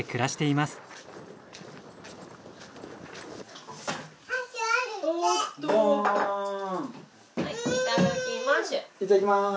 いただきまーす。